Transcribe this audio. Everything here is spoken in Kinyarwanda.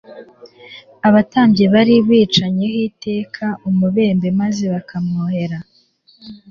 Abatambyi bari bacinyeho iteka umubembe maze bakamwohera;